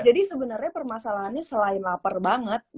jadi sebenarnya permasalahannya selain lapar banget